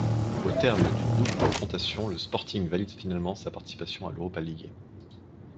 Au terme d'une double confrontation, le Sporting valide finalement sa participation à l'Europa League.